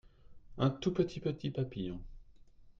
un tout petit petit papillon.